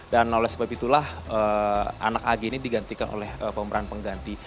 dan oleh sebab itulah anak agi ini digantikan oleh pemeran pengganti